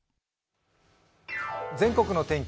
全国の天気